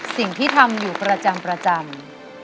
สิ่งที่ทำอยู่ประจำประจำ